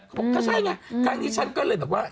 เขาบอกก็ใช่ไงครั้งนี้ฉันก็เลยแบบว่า